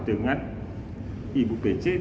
dengan ibu pece